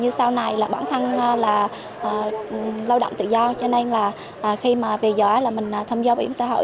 như sau này là bản thân là lao động tự do cho nên là khi mà về giỏi là mình tham gia bảo hiểm xã hội